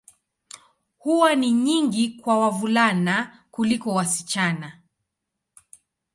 Huwa ni nyingi kwa wavulana kuliko wasichana.